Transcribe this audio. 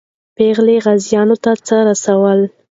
پېغلې غازیانو ته څه رسول؟